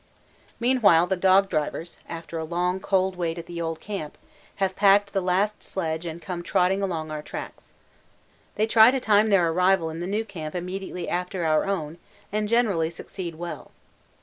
Meanwhile the dog drivers, after a long cold wait at the old camp, have packed the last sledge and come trotting along our tracks. They try to time their arrival in the new camp immediately after our own and generally succeed well.